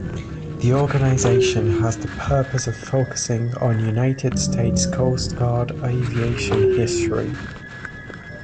The organization has the purpose of focusing on United States Coast Guard aviation history.